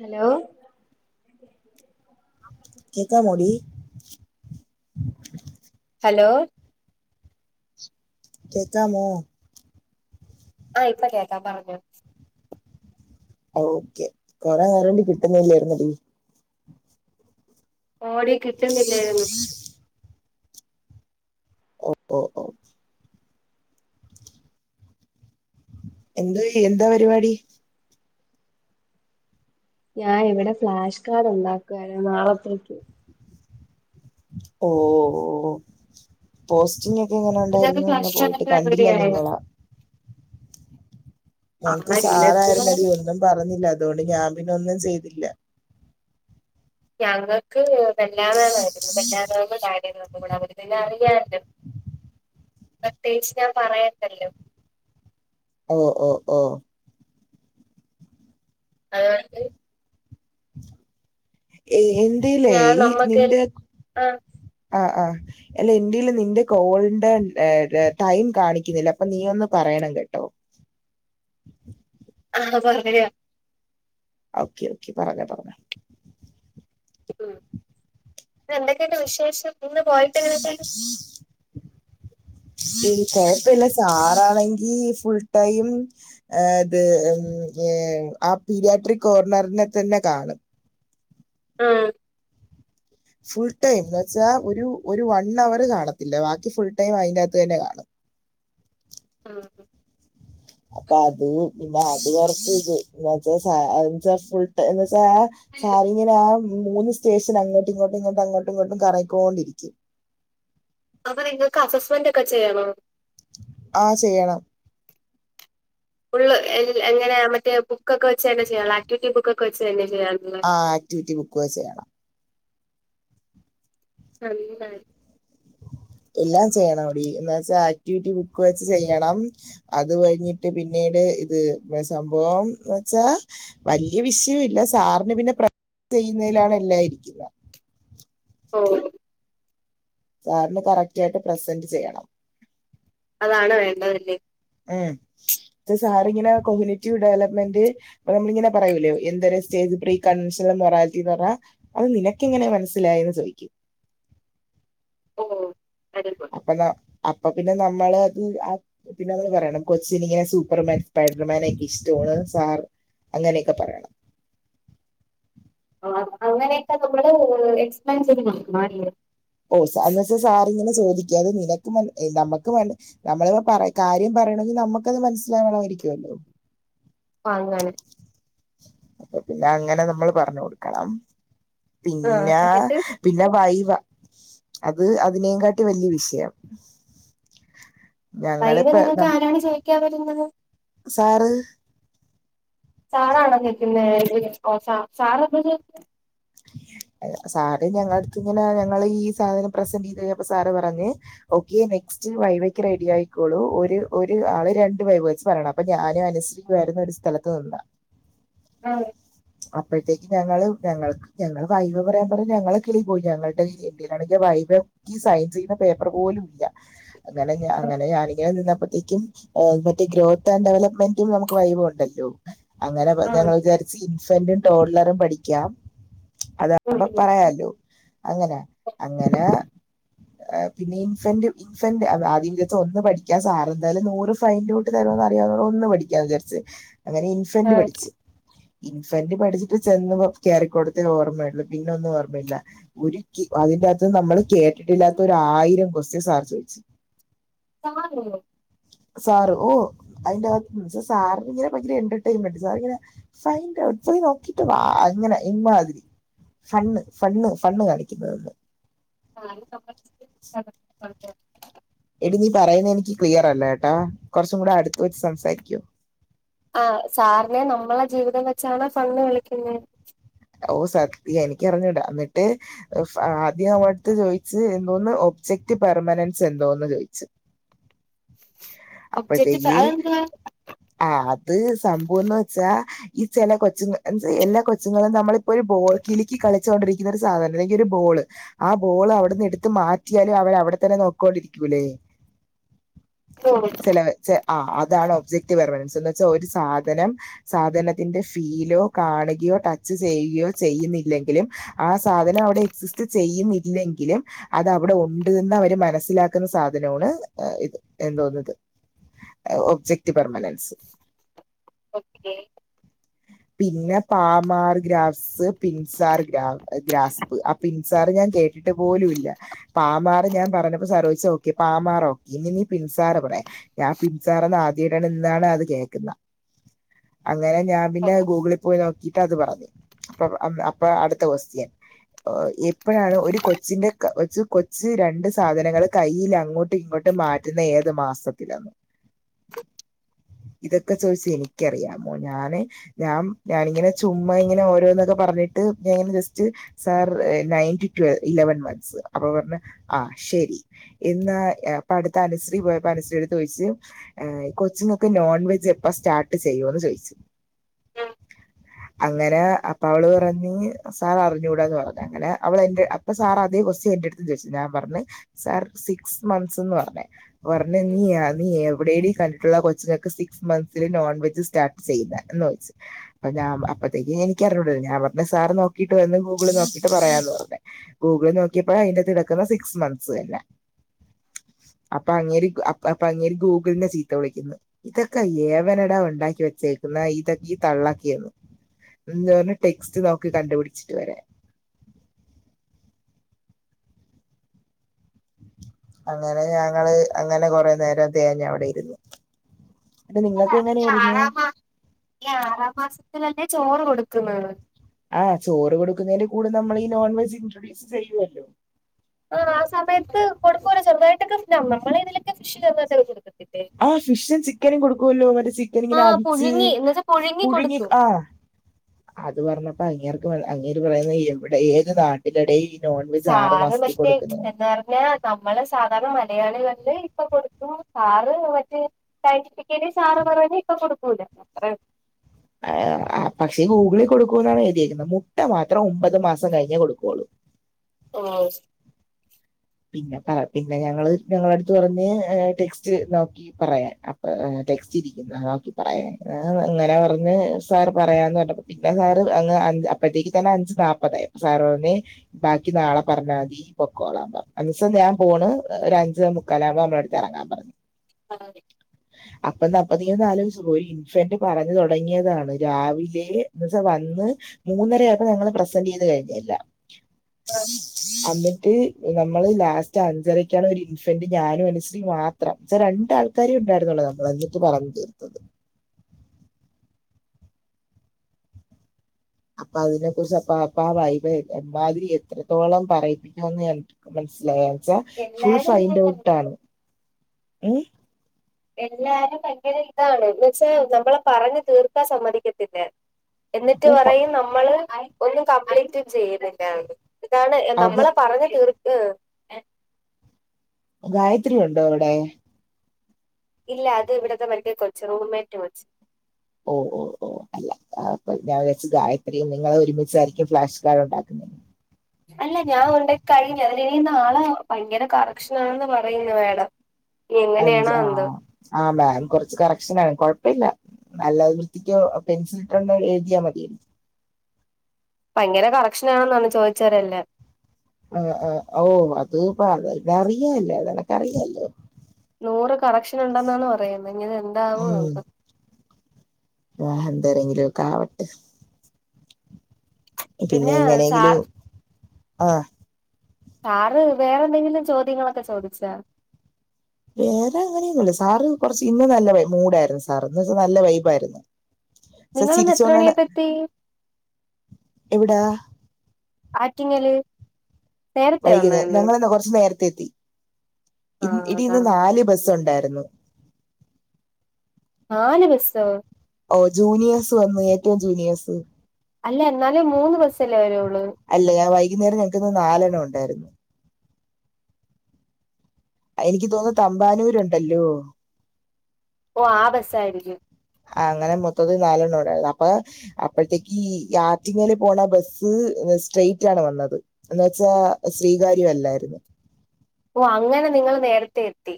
Hello... ഏതാ മുടി? Hello... കേൾക്കാമോ...? ആഹാ ഇപ്പോ കേൾക്കാം, പറഞ്ഞോ. ഓക്കെ കൊറേ നേരണ്ടി- കിട്ടുന്നില്ലായിരുന്നടി. ആടി കിട്ടുന്നില്ലായിരുന്നു. ഓ ഓ ഓ എന്ത് എന്താ പരിപാടി? ഞാൻ ഇവിടെ ഫ്ലാഷ് കാർഡ്- ഉണ്ടാക്കുയായിരുന്നു നാളത്തേക്ക്. ഓ ഓ പോസ്റ്റിംഗ- എങ്ങനെ നിങ്ങൾക്ക് ഉണ്ടായിരുന്നു അന്ന്- ഫ്ലാഷ് പോയിട്ട് കാർഡൊക്കെ റെഡി കണ്ടില്ല ആയോ നിങ്ങളാ. ഞങ്ങക്ക് ആഹ് സാറായിരുന്നടി ഒന്നും പറഞ്ഞില്ല, അതുകൊണ്ട് ഞാൻ പിന്നെ ഒന്നും ചെയ്തില്ല. ഞങ്ങൾക്ക് മെഞ്ഞാന്നാണ്. പറ്റാത്ത കാര്യങ്ങളൊക്കൂടെ- അവക്ക് പിന്നെ അറിയാല്ലോ. പ്രത്യേകിച്ച് ഞാൻ പറയേണ്ടല്ലോ? ഓ ഓ ഓ... അതായത്... ഏ എന്റലേ ഞാൻ ഈ നമ്മക്ക് നിന്റെ, ആഹ് ആഹ് ആഹ്... അല്ല എന്റേൽ നിന്റെ കോൾടെ ടൈം കാണിക്കുന്നില്ല, അപ്പോ നീ ഒന്ന് പറയണം കേട്ടോ? ആഹാ പറയാ, ഓക്കെ... ഓക്കെ... പറഞ്ഞോ... പറഞ്ഞോ... ഉം എന്തക്കെണ്ട്‌ വിശേഷം? ഇന്ന് പോയിട്ട് എങ്ങനേക്കണ്ട്‌? ഏയ് കൊഴപ്പം ഇല്ല, സാറാണെങ്കി ഫുൾ ടൈം. അത് ഉം ആ പീഡിയാട്രിക്- കോർണറിനെ തന്നെ കാണ്, ആഹാ... ഫുൾ ടൈം എന്ന് വച്ചാ ഒരു, ഒരു വൺ അവർ കാണത്തില്ല. ബാക്കി ഫുൾ ടൈം അതിന്റകത്ത് തന്നെ കാണും. ആഹാ... അപ്പ അത് പിന്ന അത് കൊറച്ച് ഇത്, [unintelligible] ഫുൾ ടൈം എന്ന് വച്ചാ- സാറ് ഇങ്ങനെ ആ മൂന്ന് സ്റ്റേഷൻ അങ്ങോട്ടും, ഇങ്ങോട്ടും, ഇങ്ങോട്ടും, അങ്ങോട്ടും, ഇങ്ങോട്ടും, കറങ്ങി ക്കോണ്ടിരിക്കും. അപ്പോ നിങ്ങക്ക് അസസ്മെന്റ് ഒക്കെ ചെയ്യണോ? ആ ചെയ്യണം. ഫുള്ള് എങ്ങനെ മറ്റേ ബുക്കക്ക- വെച്ച് തന്നെ ചെയ്യണ ആക്ടിവിറ്റി- ബുക്കക്ക വെച്ച് തന്നെ ചെയ്യാനുള്ള- ആ ആക്ടിവിറ്റി ബുക്കു വച്ച് ചെയ്യണം. [unintelligible] എല്ലാം ചെയ്യണവടി എന്താച്ചാ, ആക്ടിവിറ്റി ബുക്ക് വെച്ച് ചെയ്യണം. അത് കഴിഞ്ഞിട്ട് പിന്നീട് ഇത് സംഭവം എന്ന് വച്ചാ- വലിയ വിശയം ഇല്ല സാറിന് പിന്നെ പ്രൊജക്റ്റ്‌ ചെയ്യുന്നതിലാണ് എല്ലാം ഇരിക്കുനക ഓഹ് സാറിന് കറക്റ്റ് ആയിട്ട് പ്രസന്റ് ചെയ്യണം അതാണ് വേണ്ടതല്ലേ ഉം ഇത് സാറിങ്ങനെ കൊമ്യൂണി [unintelligible] റ്റീവ് ഡെവലപ്മെന്റ് ഇപ്പ നമ്മളിങ്ങനെ പറയൂല്ലേ എന്തര് സ്റ്റേജ് പ്രീ കൺവെഷൽ മൊറാലിറ്റി എന്ന് പറഞ്ഞാ- അത് നിനക്ക്‌ എങ്ങനെ മനസ്സിലായന്ന് ചോദിക്ക്‌ ഓഹ് വെരി ഗുഡ് അപ്പന്നെ അപ്പ പിന്നെ നമ്മള് അത് ആ- പിന്നെ അതുകൂടെ പറയണം കൊച്ചിന് ഇങ്ങനെ സൂപ്പർമാൻ സ്പൈഡർമാനെ ഒക്കെ ഇഷ്ടമാണ് സാർ അങ്ങനെക്കെ പറയണം അങ്ങനെക്കെ നമ്മള് എക്സ്പ്ലെൻ ചെയ്ത് നോക്കണം അല്ലെ ഓഹ് എന്ന് വച്ചാ സാറിയിങ്ങനെ ചോദിക്കും അത് നിനക്ക്‌ മന നമ്മക്ക്‌ മന- നമ്മള് പറ കാര്യം പറയണെങ്കി നമുക്കത് മനസ്സിലാവണാ യിരിക്കുമല്ലോ അങ്ങനെ അപ്പ പിന്നെ അങ്ങനെ നമ്മള് പറഞ്ഞു കൊടുക്കണം ആഹ് പിന്നെ എന്നിട്ട് - പിന്നെ വൈവ അത് അതിനേകാട്ടി വലിയ വിഷയം [inaudible] വൈവ ഞങ്ങളിപ്പോ നിങ്ങക്ക് നം- ആരാണ് ചെയിക്കാൻ വരുന്നത് സാറ് സാറാണാ [unintelligible] ഓ സാറെന്ത് ചെയ്യുന്നു സാറ് ഞങ്ങളടുത്ത് ഇങ്ങനെ ഞങ്ങള് ഈ സാധനം പ്രസന്റ് ചെയ്ത് കഴിഞ്ഞപ്പ സാറ് പറഞ്ഞ്- ഓക്കെ നെക്സ്റ്റ് വൈവക്ക് റെഡി ആയിക്കോളൂ ഒരു ഒരു ആള് രണ്ട് വൈവ വെച്ച് പറയണം അപ്പ ഞാനും അനുശ്രീയുവാരുന്നു ഒരു സ്ഥലത്ത് നിന്ന് - ആ [unintelligible] അപ്പഴ്‌ത്തേക്ക് ഞങ്ങള് ഞങ്ങക്ക്- ഞങ്ങള് വൈവ പറയാൻ പറഞ്ഞ് ഞങ്ങളെ കിളി പോയി ഞങ്ങടെ കൈയില് എന്റെകൈയിലാണെങ്കിൽ വൈവ- സയിൻ ചെയ്യുന്ന പേപ്പർ പോലും ഇല്ല അങ്ങനെ അങ്ങനെ ഞാനിങ്ങനെ നിന്നപ്പ- ക്കും മറ്റേ ഗ്രോത്ത് ആന്റ് ഡെവലപ്മെന്റും നമുക്ക് വൈവുണ്ടല്ലോ അങ്ങനെ ആഹ് ഞങ്ങള് വിചാരിച്ച് ഇൻഫന്റും ടോൾലറും പഠിക്കാം അതാവുമ്പ പറയാല്ലോ അങ്ങനെ അങ്ങനെ - പിന്നെ ഇൻഫന്റയും ഇൻഫെന്റ് ആദ്യം വിചാരിച് ഒന്ന് പഠിക്കാ സാറ് എന്തായാലും നൂറ് ഫയൽ നോട്ട് തരുമന്നറിയാവുന്ന ഒന്ന് പഠിക്കാന്ന് വിചാരിച്ച് അങ്ങനെ ഇൻഫന്റ് ആഹ് പഠിച്ചു ഇൻഫന്റ് പഠിച്ചിട്ട് ചെന്ന് കേറിക്കൊട്- ഓർമ്മയൊള്ളു പിന്നെ ഒന്നും ഓർമ്മയില്ല ഒരു അതിന്റെയാത്ത് നമ്മൾ കേട്ടിട്ടില്ലാത്ത ഒരു ആയിരം ക്വസ്റ്റയൻ സാറ് ചോയിച്ചു [unintelligible] സാർ ഓ അതിന്റെകത്ത് സാറിങ്ങനെ ഭയങ്കര എന്റർടൈമെന്റ് സാറിങ്ങനെ- ഫൈൻഡ് ഔട്ട് പോയി നോക്കിട്ട് വാ അങ്ങനെ ഇമ്മാതിരി - ഫണ്ണ് ഫണ്ണ് ഫണ്ണ് കാണിക്കുന്നതന്ന് [unintelligible] നമ്മളെ എടി നീ പറയുന്നത് എനിക്ക് ക്ലിയറല്ല കൊറച്ചും കൂടെ അടുത്ത് വെച്ച് സംസാരിക്കുവോ ആ സാറിനെ നമ്മളെ ജീവിതം വെച്ചാണ് ഫണ്ണ് വിളിക്കുന്നത് ഓഹ് സത്യം എനിക്ക് അറിഞ്ഞൂടാ എന്നിട്ട്- ആദ്യം നമ്മടെടുത്ത് ചോദിച്ച് എന്തോന്ന് ഒബ്ജെക് പെർമനൻസ് എന്തോന്നു ചോദിച്ചു ഒബ്ജക്റ്റ് അപ്പോഴേത്തെക്ക്‌ അതെന്തുവാ - ആ അത് സംഭവം എന്ന് വെച്ചാൽ ഈ ചെല കൊച്ചുങ്ങ എല്ലാ കൊച്ചുങ്ങളും- നമ്മളിപ്പോ ഒരു ബോൾ കിലുക്കി കളിച്ചുകൊണ്ടിരിക്കുന്ന ഒരു സാധനം അല്ലെങ്കിൽ ഒരു ബോള് ആ ബോള് അവിടെനിന്ന് എടുത്ത് മാറ്റിയാലും അവന് അവിടെ തന്നെ നോക്കി കൊണ്ടിരിക്കില്ലേ [inaudible] അതാണ് ഒബ്ജകറ്റീവ് പറയുന്നത് എന്ന് വെച്ചാ ഒരു സാധനം- സാധനത്തിന്റെ ഫീലോ കാണുകയോ ടച്ച് ചെയ്യുകയോ ചെയ്യുന്നില്ലെങ്കിലും ആ സാധനം അവിടെ എക്സിസ്റ്റ് ചെയ്യുന്നില്ലെങ്കിലും അത് അവിടെ ഉണ്ട് എന്ന് അവര് മനസ്സിലാക്കുന്ന സാധനമാണ് ഇത് എന്ന് തോനുന്നത്. Object permanence. ഓക്കെ പിന്നെ പാമാർ ഗ്രാസ്സ് പിൻസാർ ഗ്രാ ഗ്രാസ്- ആ പിൻസാർ ഞാൻ കേട്ടിട്ട് പോലും ഇല്ല- മാമാട് ഞാൻ പറഞ്ഞപ്പോ ഓക്കെ പാമാർോക്കെ ഇനി നീ പിൻസാര ഞാൻ പിൻസാറ്എന്ന് ആദ്യമായിട്ട് ഇന്നാണ് അത് കേൾക്കുന്നത് അങ്ങനെ ഞാൻ പിന്നെ ഗൂഗിളിൽ പോയി നോക്കിയിട്ട് അത് പറഞ്ഞു അപ്പൊഴാണ് അടുത്ത ക്വസ്റ്റയൻ- എപ്പോഴാണ് ഒരു കൊച്ച് കയ്യിൽ രണ്ട് സാധനങ്ങൾ കയ്യിൽ അങ്ങോട്ടും ഇങ്ങോട്ട് മാറ്റ പറ്റുന്ന ഏത് മാസത്തിലാണ്? ഇതൊക്കെ ചോദിച്ചാൽ എനിക്ക് അറിയാമോ? ഞാന് ഞാനിങ്ങനെ ചുമ്മ ഇങ്ങനെ ഓരോന്നൊക്കെ പറഞ്ഞിട്ട് ഇങ്ങനെ ജസ്റ്റ് സാർ നയന്റ്റ വ ഇലവൻ മന്ത്സ് അപ്പൊ പറഞ്ഞ ആ ശരി- ഇന്ന് അനുശ്രീടെ അടുത്ത് പോയപ്പോ അനുശ്രീ ചോദിച്ചു- കൊച്ചങ്ങൾക്ക് നോൺ വെജ് എപ്പോഴാണ് സ്റ്റാർട്ട് ചെയ്യുന്ന് എന്ന് ചോദിച്ചു. അങ്ങനെ അപ്പോൾ അവള്‍ പറഞ്ഞു സാർ അറിഞ്ഞുകൂടാ എന്ന് പറഞ്ഞു അങ്ങിനെ സാർ അത് ക്വസ്റ്റ്യൻ എന്റെ അടുത്ത് ചോദിച്ച ഞാൻ പറഞ്ഞു സാർ സിക്സ് മൻസ് എന്ന് പറഞ്ഞ് നീ എവിടെഡീ കണ്ടിട്ടുള്ളത് കൊച്ചുങ്ങൾക്ക് സിക്സ് മന്ത്സിൽ നോൺ വെജ് സ്റ്റാർട്ട് ചെയ്യുതെ ചോദിച്ചു എനിക്ക് അറിഞ്ഞൂടാ എന്ന് പറഞ്ഞു സാർ ഗൂഗിള് നോക്കിയിട്ട് പറയാം എന്ന് പറഞ്ഞു- ഗൂഗിൾ നോക്കിയപ്പോൾ അതിൽ കിടക്കുന്ന സിക്സ് മന്ത്സ് തന്നെ. അപ്പോൾ അങ്ങേര് ഗൂഗിളിനെ ചീത്ത വിളിക്കുന്നു. ഇതൊക്കെ എവനാടാ ഉണ്ടാക്കി വെച്ച ഇതൊക്കെ ഈ തള്ളാക്കിന്ന് എ പറഞ്ഞ ടെക്സ്റ്റ് നോക്കി കണ്ടുപിടിച്ചിട്ട് വരാ അങ്ങനെ ഞങ്ങൾ അങ്ങനെ കുറെ നേരം തേഞ്ഞ് അവിടെ ഇരുന്നു. അത് നിങ്ങൾക്ക് ഈ എങ്ങനെ ആയിരുന്നു? ആറാം മാ ഈ ആറാം മാസത്തിലല്ലേ ചോറ് കൊടുക്കുന്നത്? ആഹ് ചോറ് കൊടുുന്നതിന്റെ കൂടെ നമ്മൾ ഈ നോൺ വെജ് ഇൻട്രോഡ്സ് ചെയ്യുമല്ലോ? ആഹ് ആഹ് സമയത്ത് ഒക്കെ കൊടുക്കുമല്ലൊ ചെറുതായിട്ട് നമ്മൾ ഇവിടെ ഫിഷ് ചെറുതായിട്ട് കൊടുക്കത്തില്ല ആഹ് ഫിഷും ചിക്കനും കൊടുക്കുവല്ലോ മറ്റേ ചിക്കൻ ഇങ്ങനെ ആഹ് വേവിച്ച് പുഴുങ്ങി എന്ന് വെച്ചാ പുഴുങ്ങി കൊടുക്കും ആഹ് അത് പറഞ്ഞപ്പോ അങ്ങേര് പറയുന്ന എവിടെ ഏത് നാട്ടില്‍ ഇതിനിടയിൽ ഈ നോൺവെജ് ആറ് മാസതിൽ കൊടുക്കുന്ന പറഞ്ഞ നമ്മള് സാധാരണ മലയാളികളല്ലേ ഇപ്പൊ കൊടുക്കും സാറ് പഠിപ്പിക്കണ സാറ് പറയാണ് ഇപ്പൊ കൊടുക്കൂല അത്ര ആഹ് പക്ഷേ ഗൂഗിളിൽ കൊടുക്കുവെന്നാണ് എഴുതിയിരിക്കുന്നത് മുട്ട മാത്രം ഒമ്പത് മാസം കഴിഞ്ഞേ കൊടുക്കുള്ളൂ. ഓഹ് പിന്നെ പറ പിന്നെ ഞങ്ങള് ഞങ്ങളടുത്ത് പറഞ് ടെക്സ്റ്റ് നോക്കി പറയാൻ അപ്പ ടെക്സ്റ്റ് ഇരിക്കുന്നു നോക്കി പറയാൻ അങ്ങനെ പറഞ്ഞ് സാർ പറയാന്ന് പറഞ്ഞ പ്പോ സാറ് അങ്ങ് അഞ്ച് അപ്പഴത്തേക്ക് തന്നെ അഞ്ച് നാപ്പതായി സാറ് പറഞ്ഞ് ബാക്കി നാളെ പറഞ്ഞാതി പൊക്കോളാം പറഞ്ഞ് അന്നൂസം ഞാമ്പോണ് ഒരു അഞ്ചേ മുക്കാലാവുമ്പോ നമ്മളടുത്ത് എറങ്ങാൻ പറഞ്ഞു. ആഹ്- [unintelligible] അപ്പ ന്ന് അപ്പ നീയൊന്നാലോചിച്ച് ഒരു ഇൻഫന്റ് പറഞ്ഞു തുടങ്ങിയതാണ് രാവിലെ ന്നച്ച വന്ന് മൂന്നര ആയപ്പോ ഞങ്ങള് പ്രസെന്റ് ചെയ്ത് കഴിഞ് എല്ലാം എന്നിട്ട്- നമ്മള് ലാസ്റ്റ് അഞ്ചരയ്ക്കാണ് ഒരു ഇൻഫന്റ് ഞാനും അനുശ്രീ മാത്രം ച്ചാ രണ്ടാൾ ആ കാര്യേ ഒണ്ടായിരുന്നുള്ളൂ നമ്മള് അന്നിട്ട് പറഞ്ഞു തീർത്തത് അപ്പൊ അതിനെ കുറിച്ച് അപ്പ അപ്പ ആ വൈവേ എമ്മാതിരി എത്രത്തോളം പറയിപ്പിക്കുമെന്ന് [unintelligible] മനസ്സിലായച്ചാ ഫുൾ എല്ലാരും ഫൈൻഡ് ഇങ്ങനെയാണ് ഔട്ട് ആണ് ഉം എല്ലാരും ഭയങ്കര ഇതാണ് എന്നു വെച്ചാ നമ്മളെ പറഞ്ഞ് തീർക്കാൻ സമ്മതിക്കത്തില്ല എന്നിറ്റ് ഊപ്പ പറയും നമ്മള് ഒന്നും കംപ്ലീറ്റും ചെയ്യുന്നില്ലാന്ന് ഇതാണ് ഏഹ് അത് നമ്മള് പറഞ്ഞു തീർക്ക് ഗായത്രിയുണ്ടോ അവിടെ? ഇല്ല അത് ഇവിടത്തെ മറ്റേ കൊച്ച് റൂംമേറ്റ് കൊച്ച് ഓഹ് ഓഹ് ഓഹ് അല്ല അപ്പൊ ഞാൻ വിചാരിച്ചു ഗായത്രി നിങ്ങളൊരുമിച്ചായിരിക്കും ഫ്ലാഷ് [unintelligible] അല്ല ഞാൻ ഒണ്ടാക്കി കഴിഞ്ഞു അതിനിനി നാളെ ഭയങ്കര കറക്ഷനാണെന്ന് പറയുന്നു മാഡം അഞ്ചാ ആഹ് ആഹ് മാം കൊറച്ച് കറക്ഷനാണ് കൊഴപ്പല്ല നല്ല വൃത്തിക്ക്‌ പെൻസില്ട്ടോണ്ട് എഴുതിയാ മതിയല്ലോ ഭയങ്കര കറക്ഷനാണെന്നാണ് ചോദിച്ചവരെല്ലാം ആഹ് ആഹ് ഓഹ് അത് പ അത് അറിയാല്ലോ നിനക്ക് അറിയാല്ലോ നൂറ് കറക്ഷൻ ഇണ്ടെന്നാണ് പറയുന്നെ ഇന്നി അത് എന്താവോ എന്തോ ആഹ് എന്തെരെങ്കിലുവൊക്കെ ആവട്ട് പിന്നെ ഇങ്ങനെയെങ്കിലും ആഹ് സാറ് വേറെന്തെങ്കിലും ചോദ്യങ്ങളൊക്കെ ചോദിച്ചാ? വേറെ അങ്ങനെയൊന്നുല്ല സാറ് കൊറച്ച് ഇന്ന് നല്ല വൈ മൂഡായിരുന്നു സാർ ഇന്ന് എന്ന് വെച്ചാ നല്ല വൈബായിരുന്നു സർ നിങ്ങളിന്ന് എത്ര ചിരിച്ചോണ്ടാണ് മണിയായപ്പോ എത്തി എവിടാ? ആറ്റിങ്ങല് നേരത്തെ വൈകുന്നേ വന്നായിരുന്ന് ഞങ്ങളിന്ന് കൊറച്ചു നേരത്തെ എത്തി ഇന് ആഹ് എടി ഇന്ന് അതാണ് നാല് ബസ്സ് ഒണ്ടായിരുന്നു നാല് ബസ്സോ? ഓഹ് ജൂനിയേഴ്സ് വന്നു ഏറ്റവും ജൂനിയേഴ്സ് അല്ല എന്നാലും മൂന്ന് ബസ്സല്ലേ വരൊള്ളൂ അല്ലേ അ വൈകുന്നേരം ഞങ്ങക്കിന്ന് നാലെണ്ണം ഒണ്ടായിരുന്നു എനിക്ക് തോനുന്നു തമ്പാനൂരുണ്ടല്ലോ? ഓഹ് ആ ബസ്സായിരിക്കും ആഹ് അങ്ങനെ മൊത്തത്തി നാലെണ്ണം ഒണ്ടായിരുന്നു അപ്പൊ അപ്പഴ്ത്തേക്കീ ആറ്റിങ്ങല് പോണ ബസ്സ് സ്ട്രൈറ്റ് ആണ് വന്നത് [unintelligible] ശ്രീകാര്യവല്ലായിരുന്നു ഓഹ് അങ്ങനെ നിങ്ങള് നേരത്തെ എത്തി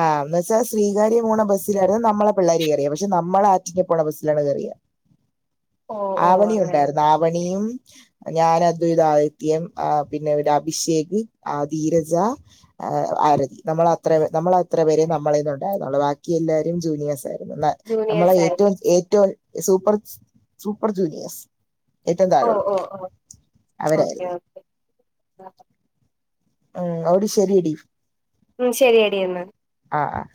ആഹ് എന്ന് വെച്ചാ ശ്രീകാര്യ പോണ ബസ്സിലായിരുന്നു നമ്മളെ പിള്ളേര് കയറിയെ പക്ഷെ നമ്മള് ആറ്റിങ്ങേ പോണ ബസ്സിലാണ് കയറിയെ ഓ ഓ അങ്ങനെ ആവണിയൊണ്ടാര്ന്ന് ആവണിയും ഞാൻ അദ്വൈതാദിത്യേം ആഹ് പിന്നെ ഒരു അഭിഷേക് ആഹ് ധീരജ ആഹ് ആരതി നമ്മളത്ര നമ്മളത്ര പേരെ നമ്മളയ്ന്നൊണ്ടാര്ന്നൊള്ളൂ ബാക്കി എല്ലാരും ജൂനിയേഴ്സാര്ന്നു ന നമ്മളെ ജൂനിയേഴ്സ് ആയി ഏറ്റവും ഏറ്റവും സൂപ്പർ സൂപ്പർ ജൂനിയേഴ്സ്. ഏറ്റോം ഓ ഓ താഴെയൊള്ളോര് ഓ അവരാരുന്നു. [inaudible] ഉം [unintelligible] ശെരി എടി ഉം ശരി എടി എന്നാ ആഹ് ആഹ്